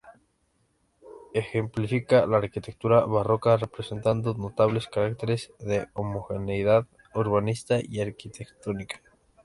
Ejemplifican la arquitectura barroca presentando notables caracteres de homogeneidad urbanística y arquitectónica.